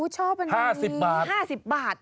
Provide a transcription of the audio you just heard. ชอบมันค่ะนี้บาทบาท